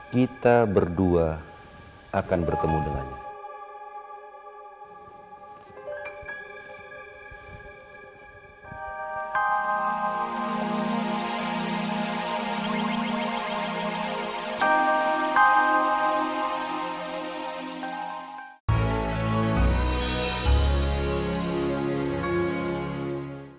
kita berdua akan bertemu dengannya